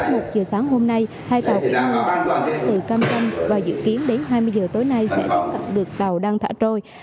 ngày một giờ sáng hôm nay hai tàu kiểm ngư đã từ cam trân và dự kiến đến hai mươi giờ tối nay sẽ tiếp cận được tàu đang thả trôi